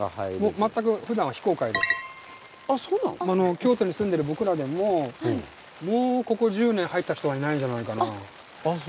京都に住んでる僕らでももうここ１０年入った人はいないんじゃないかな。